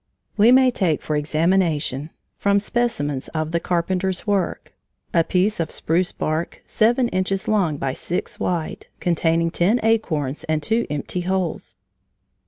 ] We may take for examination, from specimens of the Carpenter's work, a piece of spruce bark seven inches long by six wide, containing ten acorns and two empty holes.